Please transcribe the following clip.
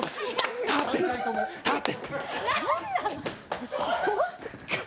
立って！